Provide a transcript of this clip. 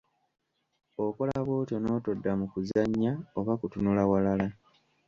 Okola bw'otyo n'otodda mu kuzannya oba kutunula walala.